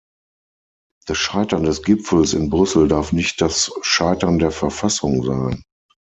Das Scheitern des Gipfels in Brüssel darf nicht das Scheitern der Verfassung sein!